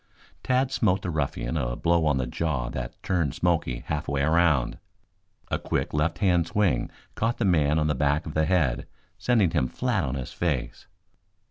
Tad smote the ruffian a blow on the jaw that turned Smoky half way around. A quick left hand swing caught the man on the back of the head, sending him flat on his face.